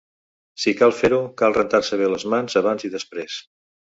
Si cal fer-ho, cal rentar-se bé les mans abans i després.